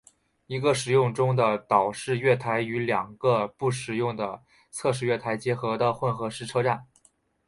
一个使用中的岛式月台与两个不使用的侧式月台结合的混合式车站。